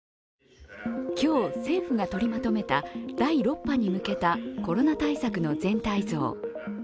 今日、政府が取りまとめた第６波に向けたコロナ対策の全体像。